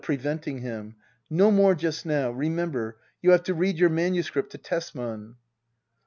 [Preventing him,] No more just now. Remember, you have to read your manuscript to Tesman.